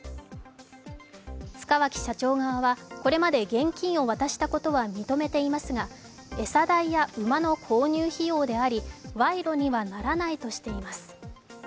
塚脇社長側は、これまで現金を渡したことは認めていますが餌代や馬の購入費用であり賄賂にはならないとしています。